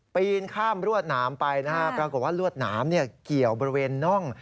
ปีนคลี่นะครับก็ว่ารวดหนามเกี่ยวบริเวณน้อง